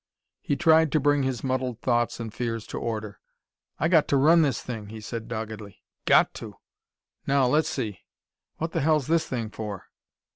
He tried to bring his muddled thoughts and fears to order. "I got to run this thing," he said doggedly. "Got to! Now, let's see: what the hell's this thing for?...